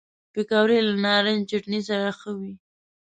پکورې له نارنج چټني سره ښه وي